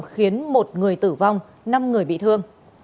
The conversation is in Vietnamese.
khiến một người tử vong năm người bị thương